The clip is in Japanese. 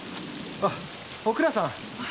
あおくらさん。